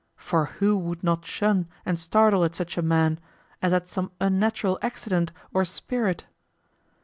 For who would not shun and startle at such a man, as at some unnatural accident or spirit?